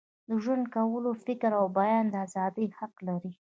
د ژوند کولو، فکر او بیان د ازادۍ حق لري.